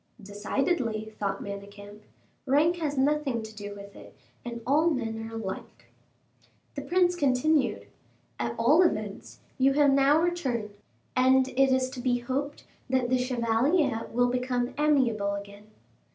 "Decidedly," thought Manicamp, "rank has nothing to do with it, and all men are alike." The prince continued: "At all events, you have now returned, and it is to be hoped that the chevalier will become amiable again."